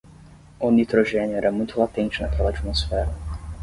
O nitrogênio era muito latente naquela atmosfera